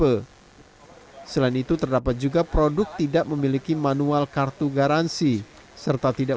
hai selain itu terdapat juga produk tidak memiliki manual kartu garansi serta tidak